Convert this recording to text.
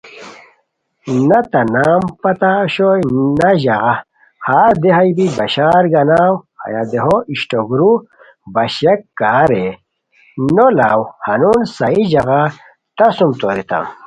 نہ تہ نام پتہ اوشوئے نہ ژاغا ہر دیہا بی بشار گاناؤ ہیہ دیہہ اشٹوک رو باشییاک کا رے نو لاؤ ہنون صحیح ژاغا تہ سُم توریتام